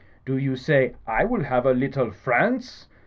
Do you say, *I will have a little France.